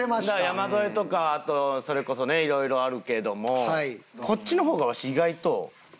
山添とかあとそれこそねいろいろあるけどもこっちの方がワシ意外と。